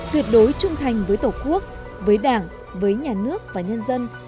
tuyệt đối trung thành với tổ quốc với đảng với nhà nước và nhân dân